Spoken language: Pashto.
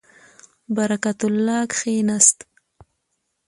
برکت الله کښېنست.